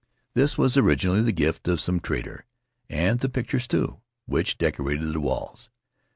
This was originally the gift of some trader; and the pictures, too, which decorated the walls.